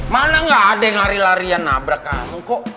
mana gak ada yang lari larian nabrak kamu kok